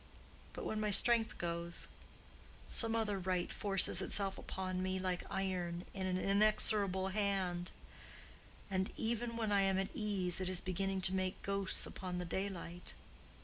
But when my strength goes, some other right forces itself upon me like iron in an inexorable hand; and even when I am at ease, it is beginning to make ghosts upon the daylight.